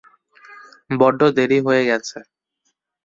বড্ড দেরি হয়ে গেছে।